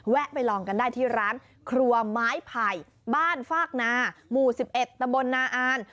ไปลองกันได้ที่ร้านครัวไม้ไผ่บ้านฟากนาหมู่๑๑ตะบลนาอ่าน